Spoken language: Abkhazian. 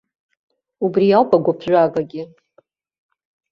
Убри ауп агәыԥжәагагьы!